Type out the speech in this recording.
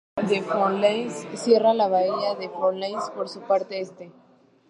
La Mola de Fornells cierra la bahía de Fornells por su parte este.